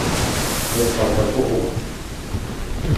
Mies alkoi puhua: